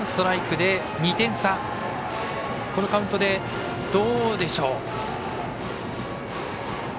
このカウントでどうでしょう。